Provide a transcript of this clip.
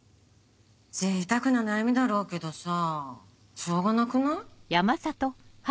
贅沢な悩みだろうけどさぁしょうがなくない？